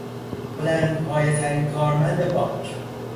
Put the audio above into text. بلندپایهترین کارمند بانک